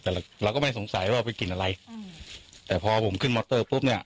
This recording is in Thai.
แต่เราก็ไม่สงสัยว่าเป็นกลิ่นอะไรอืมแต่พอผมขึ้นมอเตอร์ปุ๊บเนี้ย